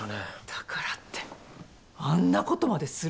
だからってあんなことまでする？